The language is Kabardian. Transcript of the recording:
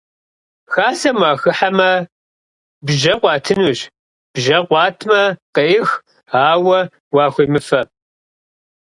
Хасэм уахыхьэмэ, бжьэ къуатынущ; бжьэ къуатмэ, къеӏых, ауэ уахуемыфэ.